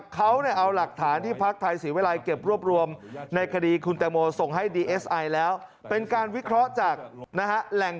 มันไม่มีจริง